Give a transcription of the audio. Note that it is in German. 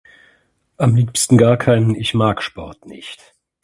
Am liebsten gar keinen, ich mag Sport nicht.